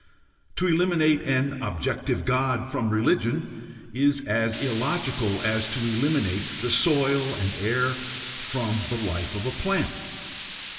To eliminate an objective God from religion is as illogical as to eliminate the soil and air from the life of a plant.